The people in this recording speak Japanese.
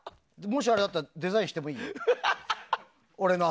もしあれだったらデザインしてもいいよ。